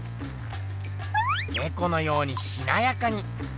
ねこのようにしなやかに。